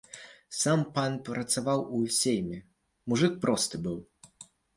Сам пан працаваў у сейме, мужык просты быў!